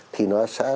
thì nó sẽ